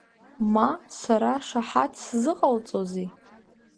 Ма, сара шаҳаҭс сзыҟалҵозеи?